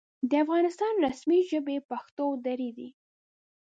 د افغانستان رسمي ژبې پښتو او دري دي.